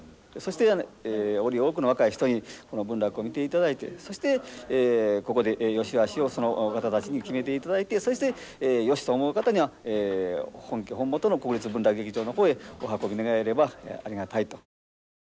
そしてより多くの若い人にこの文楽を見ていただいてそしてここで善しあしをその方たちに決めていただいてそして「よし」と思う方には本家本元の国立文楽劇場の方へお運び願えればありがたいと。